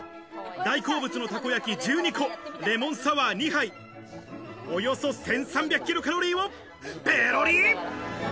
大好物のたこ焼き１２個、レモンサワー２杯、およそ１３００ｋｃａｌをペロリ。